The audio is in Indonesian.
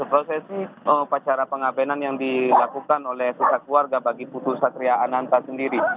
prosesi pacara pengabenan yang dilakukan oleh susah keluarga bagi iputu satria anantar sendiri